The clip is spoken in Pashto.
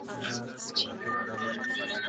آیا تاسو کتابونه لوستي دي؟